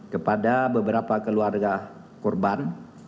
kepada beberapa keluarga korban